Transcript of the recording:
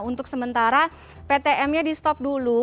untuk sementara ptm nya di stop dulu